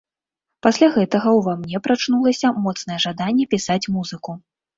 Пасля гэтага ўва мне прачнулася моцнае жаданне пісаць музыку.